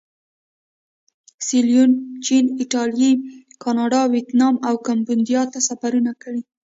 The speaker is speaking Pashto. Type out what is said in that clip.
سیلون، چین، ایټالیې، کاناډا، ویتنام او کمبودیا ته سفرونه کړي.